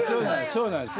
そうなんです。